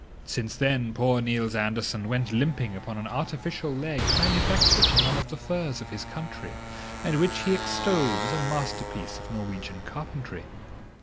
Since then poor Niels Andersen went limping upon an artificial leg manufactured from one of the firs of his country, and which he extolled as a masterpiece of Norwegian carpentry.